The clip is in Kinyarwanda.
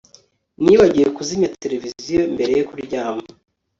Nibagiwe kuzimya televiziyo mbere yo kuryama